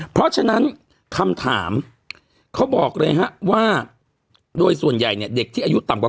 เพราะฉะนั้นคำถามเขาบอกเลยฮะว่าโดยส่วนใหญ่เนี่ยเด็กที่อายุต่ำกว่า